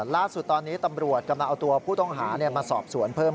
ล่าสุดตอนนี้ตำรวจกำลังเอาตัวผู้ต้องหามาสอบสวนเพิ่ม